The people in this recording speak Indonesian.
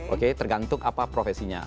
oke tergantung apa profesinya